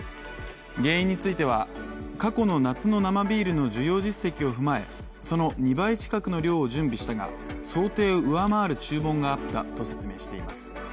原因については、過去の夏の生ビールの需要実績を踏まえその２倍近くの量を準備したが、想定を上回る注文があったと説明しています。